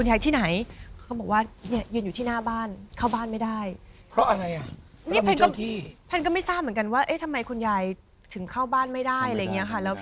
จะมีคนทักบ้างว่า